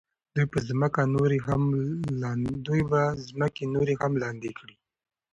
دوی به ځمکې نورې هم لاندې کړي.